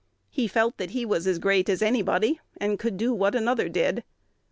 He felt that he was as great as anybody, and could do what another did.